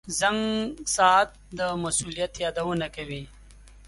• زنګ ساعت د مسؤلیت یادونه کوي.